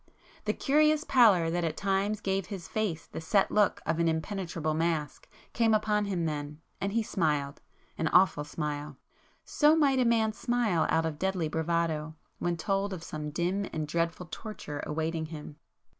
The curious pallor that at times gave his face the set look of an impenetrable mask, came upon him then, and he smiled,—an awful smile. So might a man smile out of deadly bravado, when told of some dim and dreadful torture awaiting him.